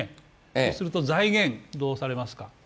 そうすると財源はどうされますか？